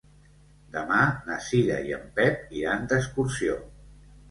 Demà na Cira i en Pep iran d'excursió.